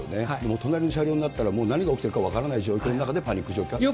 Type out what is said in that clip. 隣の車両になったら、もう何が起きたか分からない状況の中で、パニック状況になると。